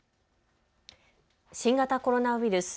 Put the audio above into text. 新型コロナウイルス。